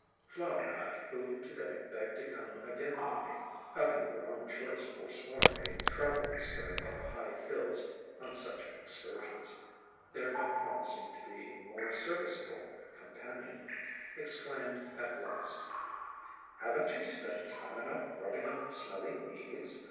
Flower Hat, who to day begged to come again with me, (having of her own choice forsworn a trailing skirt and high heels on such excursions, thereby promising to be a more serviceable com panion), exclaimed at last: "Have n't you spent time enough grubbing up smelly weeds